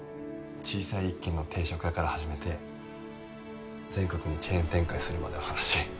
小さい一軒の定食屋から始めて全国にチェーン展開するまでの話。